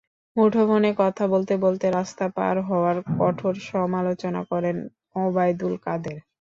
মুঠোফোনে কথা বলতে বলতে রাস্তা পার হওয়ার কঠোর সমালোচনা করেন ওবায়দুল কাদের।